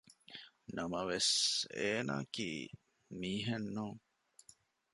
ނަމަވެސް އޭނާއަކީ މީހެއް ނޫން